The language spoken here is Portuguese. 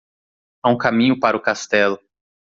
Há um caminho para o castelo.